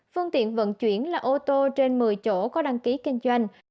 phương tiện vận chuyển là ô tô trên một mươi chỗ có đăng ký kinh doanh